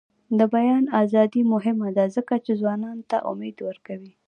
د بیان ازادي مهمه ده ځکه چې ځوانانو ته امید ورکوي.